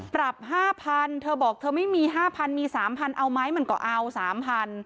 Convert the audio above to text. ปรับ๕๐๐๐เธอบอกเธอไม่มี๕๐๐๐มี๓๐๐๐เอาไหมมันก็เอา๓๐๐๐